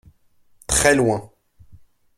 Très loin.